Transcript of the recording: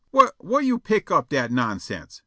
"Wha' yo' pick up dat nomsense?"